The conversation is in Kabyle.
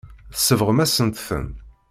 Tsebɣem-asent-ten.